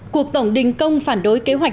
cuộc tổng đình công phản đối kế hoạch